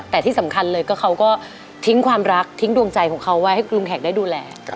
แต่ที่สำคัญเลยก็เขาก็ทิ้งความรักทิ้งดวงใจของเขาไว้ให้ลุงแขกได้ดูแล